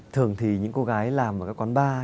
thường thì những cô gái làm ở các quán bar